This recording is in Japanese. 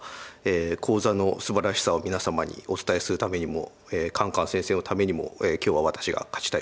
講座のすばらしさを皆様にお伝えするためにもカンカン先生のためにも今日は私が勝ちたいと思います。